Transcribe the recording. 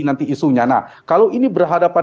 nanti isunya nah kalau ini berhadapan